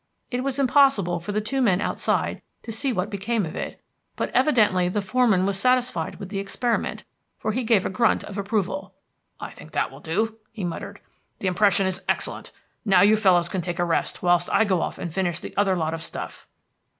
It was impossible for the two men outside to see what became of it, but evidently the foreman was satisfied with the experiment, for he gave a grunt of approval. "I think that will do," he muttered. "The impression is excellent. Now, you fellows can take a rest whilst I go off and finish the other lot of stuff."